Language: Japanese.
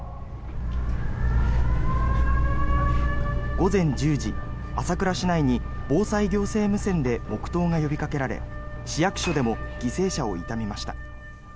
午前１０時、朝倉市内に防災行政無線で黙祷が呼びかけられ市役所でも犠牲者を悼みました。